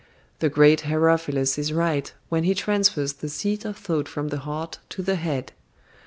The great Herophilus is right when he transfers the seat of thought from the heart to the head.